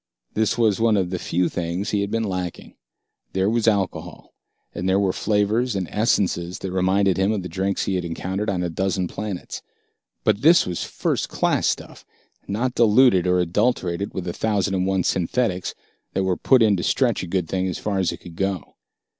This was one of the few things he had been lacking. There was alcohol, and there were flavors and essences that reminded him of the drinks he had encountered on a dozen planets. But this was first class stuff, not diluted or adulterated with the thousand and one synthetics that were put in to stretch a good thing as far as it could go.